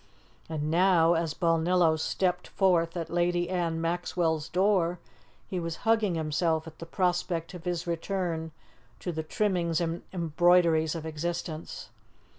And now, as Balnillo stepped forth at Lady Anne Maxwell's door, he was hugging himself at the prospect of his return to the trimmings and embroideries of existence.